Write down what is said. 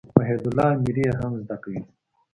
وحيدالله اميري ئې هم زده کوي.